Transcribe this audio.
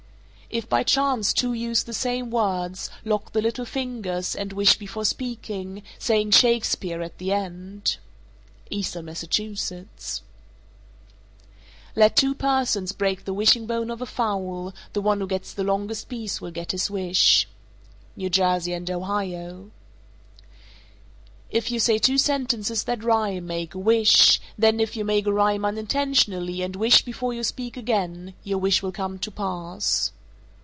452. If by chance two use the same words, lock the little fingers, and wish before speaking, saying "Shakespeare" at the end. Eastern Massachusetts. 453. Let two persons break the wishing bone of a fowl; the one who gets the longest piece will get his wish. New Jersey and Ohio. 454. If you say two sentences that rhyme, make a wish, then if you make a rhyme unintentionally and wish before you speak again, your wish will come to pass.